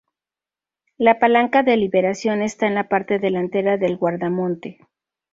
La palanca de liberación está en la parte delantera del guardamonte.